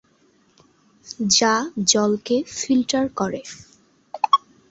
যা জলকে ফিল্টার করে।